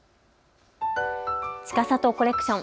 ちかさとコレクション。